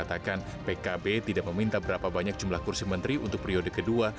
tidak ada apa apa jumlah kursi menteri untuk periode kedua